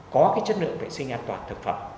có cái chất lượng vệ sinh an toàn thực phẩm